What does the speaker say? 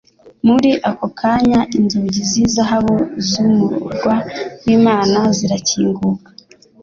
muri ako kanya inzugi z'izahabu z'umurwa w'Imana zirakinguka;